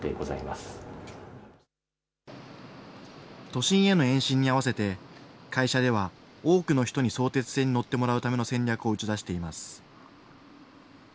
都心への延伸に合わせて、会社では多くの人に相鉄線に乗ってもらうための戦略を打ち出しています。